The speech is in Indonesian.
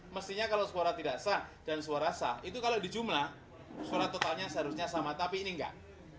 mestinya kalau suara tidak sah dan suara sah itu kalau dijumlah suara totalnya seharusnya sama tapi ini enggak